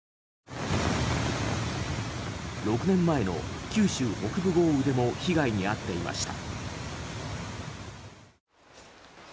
６年前の九州北部豪雨でも被害に遭っていました。